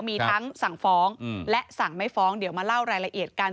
มีทั้งสั่งฟ้องและสั่งไม่ฟ้องเดี๋ยวมาเล่ารายละเอียดกัน